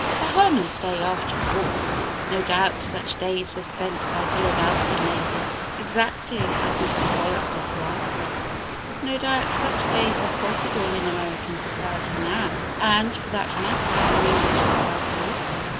A harmless day, after all! No doubt such days were spent by Philadelphian ladies exactly as Mrs. Trollope describes them; no doubt such days are possible in American society now, and, for that matter, in English society also.